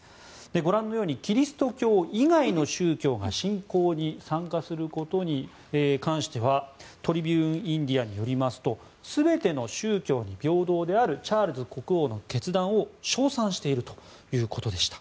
ご覧のように、キリスト教以外の宗教が参加することに関してはトリビューン・インディアによりますと全ての宗教に平等であるチャールズ国王の決断を称賛しているということでした。